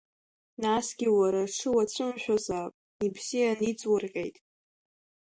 Насгьы уара аҽы уацәымшәозаап, ибзиан иҵурҟьеит.